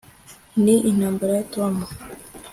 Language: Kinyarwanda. ni intambara ya tom